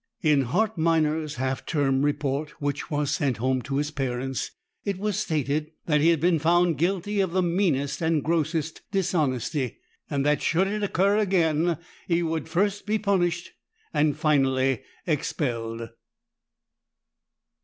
In Hart Minor's half term report, which was sent home to his parents, it was stated that he had been found guilty of the meanest and grossest dishonesty, and that should it occur again he would be first punished and finally expelled.